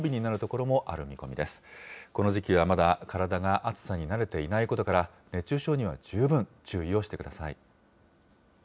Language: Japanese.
この時期はまだ、体が暑さに慣れていないことから、熱中症には十分注意をしてください。